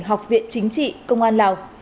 học viện chính trị công an lào